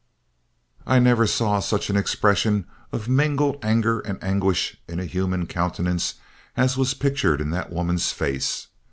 I never saw such an expression of mingled anger and anguish in a human countenance as was pictured in that woman's face.